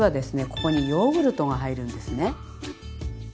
ここにヨーグルトが入るんですね。